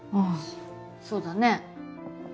そうだね。